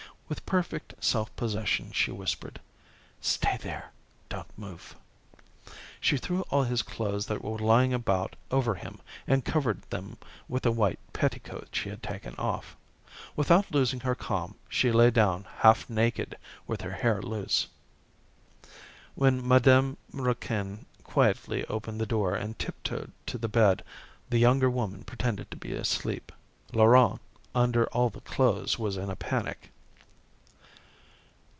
With perfect self possession she whispered: "Stay there. Don't move." She threw all his clothes that were lying about over him and covered them with a white petticoat she had taken off. Without losing her calm, she lay down, half naked, with her hair loose. When Madame Raquin quietly opened the door and tiptoed to the bed the younger woman pretended to be asleep. Laurent, under all the clothes was in a panic.